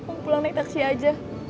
oh pulang naik taksi aja